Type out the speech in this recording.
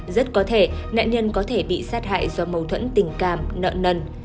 rất có thể nạn nhân có thể bị sát hại do mâu thuẫn tình cảm nợ nần